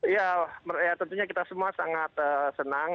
ya tentunya kita semua sangat senang